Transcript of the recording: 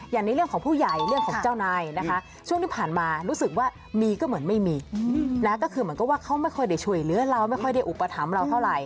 ในเรื่องของผู้ใหญ่เรื่องของเจ้านายนะคะช่วงที่ผ่านมารู้สึกว่ามีก็เหมือนไม่มีนะก็คือเหมือนกับว่าเขาไม่ค่อยได้ช่วยเหลือเราไม่ค่อยได้อุปถัมภ์เราเท่าไหร